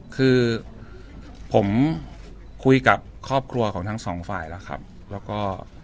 คือผมคุยกับครอบครัวของทั้งสองฝ่ายแล้วครับแล้วก็